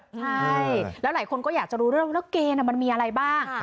ใช่แล้วหลายคนก็อยากจะรู้เรื่องว่าแล้วเกณฑ์มันมีอะไรบ้าง